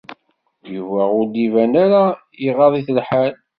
Yuba ur d-iban ara iɣaḍ-it lḥal.